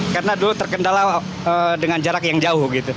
karena dulu terkendala dengan jarak yang jauh gitu